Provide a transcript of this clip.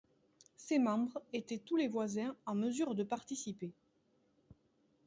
Ses membres étaient tous les voisins en mesure de participer.